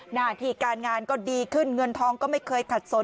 หน้าที่การงานก็ดีขึ้นเงินทองก็ไม่เคยขัดสน